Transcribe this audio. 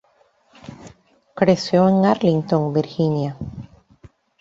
Creció en Arlington, Virginia.